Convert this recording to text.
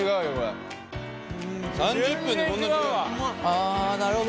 あなるほど。